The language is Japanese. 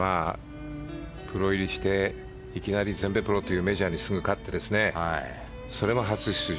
プロ入りしていきなり全米プロというメジャーにすぐ勝ってそれも初出場。